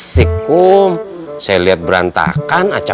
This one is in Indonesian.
dan some time terus sampai